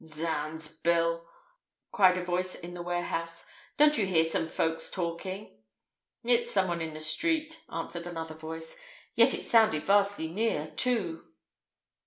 "Zounds, Bill!" cried a voice in the warehouse, "don't you hear some folks talking?" "It's some one in the street," answered another voice. "Yet it sounded vastly near, too."